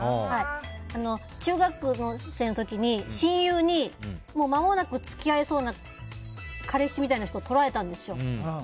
中学生の時に親友に、間もなく付き合えそうな彼氏みたいな人を取られたんですよ。